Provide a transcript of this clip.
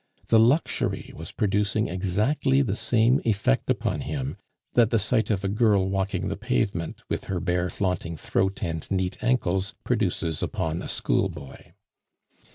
The luxury was producing exactly the same effect upon him that the sight of a girl walking the pavement, with her bare flaunting throat and neat ankles, produces upon a schoolboy.